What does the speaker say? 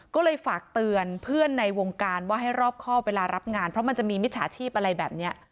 ก็เลยฝากเตือนเพื่อนในวงการว่าให้รอบครอบเวลารับงานเพราะมันจะมีมิจฉาชีพอะไรแบบนี้